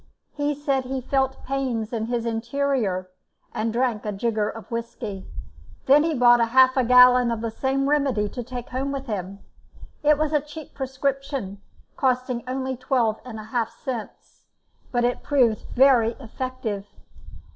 He said he felt pains in his interior, and drank a jigger of whisky. Then he bought half a gallon of the same remedy to take home with him. It was a cheap prescription, costing only twelve and a half cents, but it proved very effective.